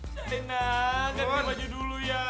shaina ganti baju dulu ya